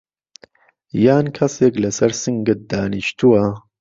یان کەسێک لەسەر سنگت دانیشتووه؟